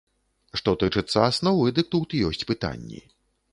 Што тычыцца асновы, дык тут ёсць пытанні.